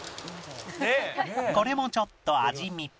これもちょっと味見